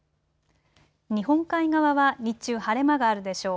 日本海側は日中、晴れ間があるでしょう。